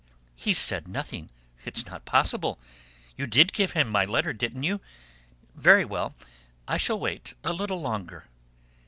he's said nothing? It's not possible. You did give him my letter, didn't you? Very well, I shall wait a little longer."